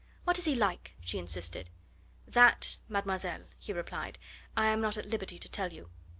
"What is he like?" she insisted. "That, mademoiselle," he replied, "I am not at liberty to tell you."